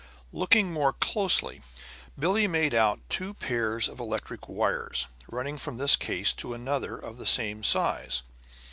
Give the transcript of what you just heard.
Looking more closely, Billie made out two pairs of electric wires running from this case to another of the same size.